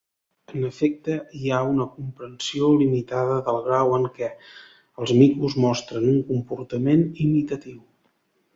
En efecte, hi ha una comprensió limitada del grau en què els micos mostren un comportament imitatiu.